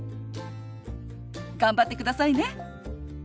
頑張ってくださいね。